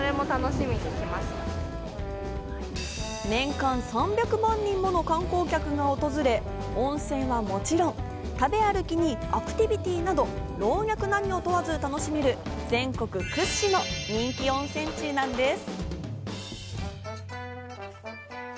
年間３００万人もの観光客が訪れ、温泉はもちろん食べ歩きにアクティビティなど老若男女を問わず楽しめる全国屈指の人気温泉地なんです。